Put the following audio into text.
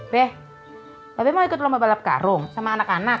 deh tapi mau ikut lomba balap karung sama anak anak